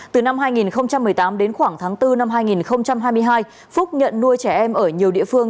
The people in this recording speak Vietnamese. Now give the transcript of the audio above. từ năm hai nghìn một mươi tám đến khoảng tháng bốn năm hai nghìn hai mươi hai phúc nhận nuôi trẻ em ở nhiều địa phương